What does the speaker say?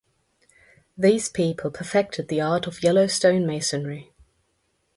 These people perfected the art of yellow stone masonry.